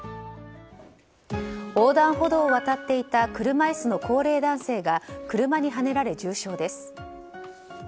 横断歩道を渡っていた車椅子の高齢男性が車にはねられ重傷です。